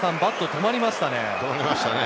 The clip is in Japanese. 止まりましたね。